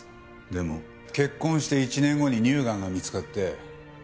でも結婚して１年後に乳がんが見つかって。